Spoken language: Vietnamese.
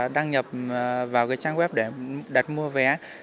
đăng nhập vào cái trang web để đặt mua vé